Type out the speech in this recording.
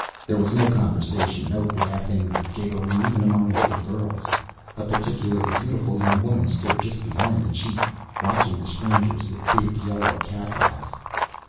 There was no conversation, no laughing or giggling even among the little girls. A particularly beautiful young woman stood just behind the chief, watching the strangers with big yellow cat eyes.